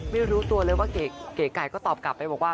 ไม่รู้ตัวเลยว่าเก๋ไก่ก็ตอบกลับไปบอกว่า